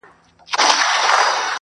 ربه! ته یې وشینده، رحم تشو لپو کې